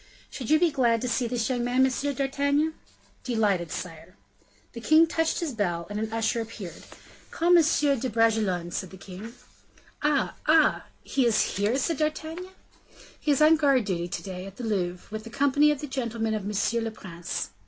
"Should you be glad to see this young man, M. d'Artagnan?" "Delighted, sire." The king touched his bell, and an usher appeared. "Call M. de Bragelonne," said the king. "Ah! ah! he is here?" said D'Artagnan. "He is on guard to day, at the Louvre, with the company of the gentlemen of monsieur le prince."